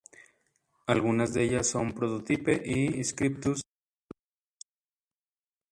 Algunas de ellas son Prototype y Script.aculo.us.